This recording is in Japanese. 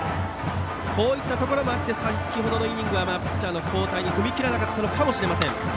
こういったところもあって先程のイニングはピッチャーの交代に踏み切らなかったのかもしれません。